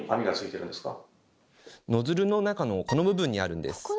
ノズルの中のこの部分にあるんです。